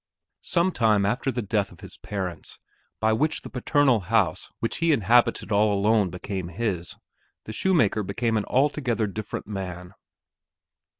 Some time after the death of his parents, by which the paternal house which he inhabited all alone became his, the shoemaker became an altogether different man.